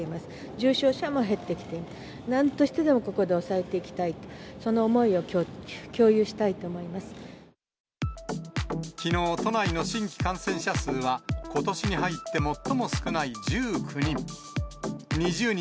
重症者も減ってきている、なんとしてでもここで抑えていきたいと、その思きのう、都内の新規感染者数は、ことしに入って最も少ない１９人。